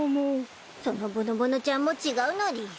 そのぼのぼのちゃんも違うのでぃす。